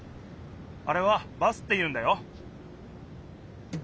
あれはバスっていうんだよ。